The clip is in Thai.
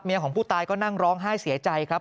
ของผู้ตายก็นั่งร้องไห้เสียใจครับ